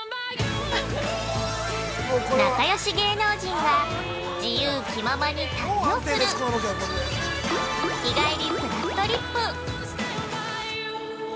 ◆仲よし芸能人が自由気ままに旅をする「日帰りぷらっとりっぷ」